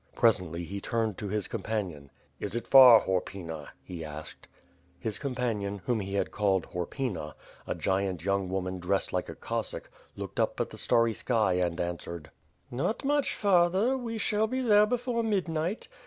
Presently he turned to his companion. '^s it far, Horpyna," he asked. His companion, whom lie 427 428 WITB FIRE AND SWORD. had called ^^Horpyna," a gigantic young woman dressed like a Cossack, looked up at the starry sky and answered: "Not much farther; we shall be there before midnight.